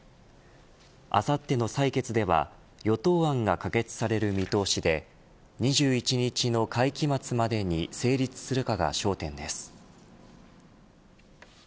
あさっての採決では与党案が可決される見通しで２１日の会期末までに成立するかが焦点です。